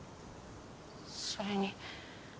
それに。